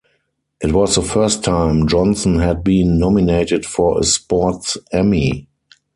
It was the first time Johnson had been nominated for a Sports Emmy.